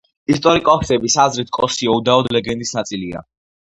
ისტორიკოსების აზრით კოსიო უდაოდ ლეგენდის ნაწილია.